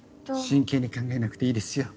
真剣に考えなくていいですよ。